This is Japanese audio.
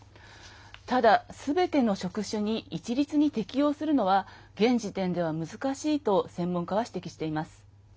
ただ、すべての職種に一律に適用するのは現時点では難しいと専門家は指摘しています。